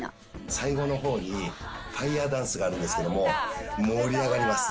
最後のほうにファイヤーダンスがあるんですけれども、盛り上がります。